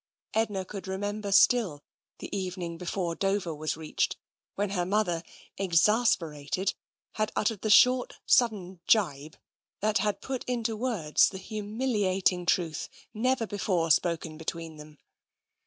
Edna could remember still the evening before Dover was reached, when her mother, exasperated, had uttered the short, sudden gibe that had put into words the humiliating truth never before spoken between them.